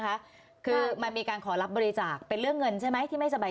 คะคือมันมีการขอรับบริจาคเป็นเรื่องเงินใช่ไหมที่ไม่สบาย